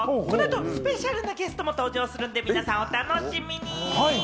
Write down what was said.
この後、スペシャルなゲストも登場するんで皆さん、お楽しみに！